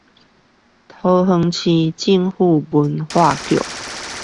桃園市政府文化局